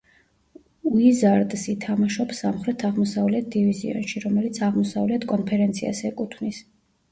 უიზარდსი თამაშობს სამხრეთ-აღმოსავლეთ დივიზიონში, რომელიც აღმოსავლეთ კონფერენციას ეკუთვნის.